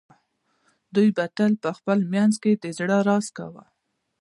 دوی به تل په خپل منځ کې د زړه راز کاوه